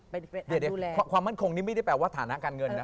เดี๋ยวความมั่นคงนี้ไม่ได้แปลว่าฐานะการเงินนะ